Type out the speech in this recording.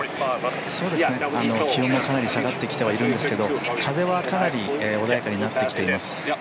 気温もかなり下がってきてはいるんですが、風はかなり穏やかになってきています。